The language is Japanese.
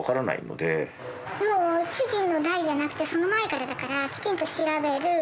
主人の代じゃなくてその前からだからきちんと調べる。